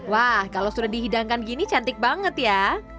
wah kalau sudah dihidangkan gini cantik banget ya